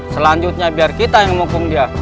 selanjutnya biar kita yang mumpung dia